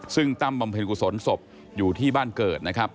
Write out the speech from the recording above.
ซึ่งตั้งบำเพ็ญกุศลศพอยู่ที่บ้านเกิดนะครับ